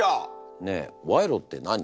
ねえ賄賂って何？